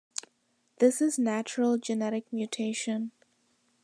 This is natural genetic mutation.